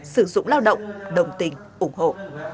sử dụng lao động đồng tình ủng hộ